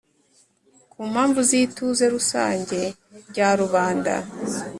Ku mpamvu z ituze rusange rya rubanda